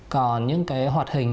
còn những cái hoạt hình